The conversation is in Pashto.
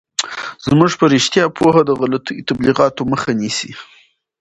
زموږ په رشتیا پوهه د غلطو تبلیغاتو مخه نیسي.